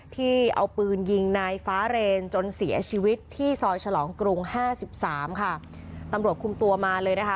ที่เอาปืนยิงในฟ้าเรนจนเสียชีวิตที่ซอยฉลองกรุง๕๓ตำรวจคุมตัวมาเลยนะคะ